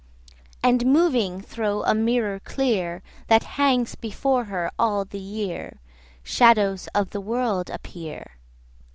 45 And moving thro' a mirror clear That hangs before her all the year, Shadows of the world appear.